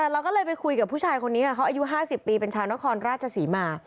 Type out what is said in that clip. เราก็เลยไปคุยกับผู้ชายคนนี้ค่ะเขาอายุ๕๐ปีเป็นชาวนครราชศรีมา